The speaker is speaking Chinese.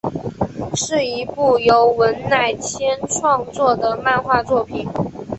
是一部由文乃千创作的漫画作品。